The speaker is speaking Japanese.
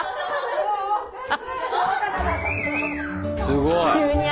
すごい。